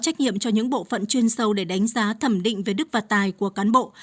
trách nhiệm cho những bộ phận chuyên sâu để đánh giá thẩm định về đức và tài của cán bộ